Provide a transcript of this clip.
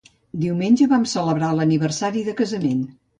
Diumenge vam celebrar l'aniversari de casament.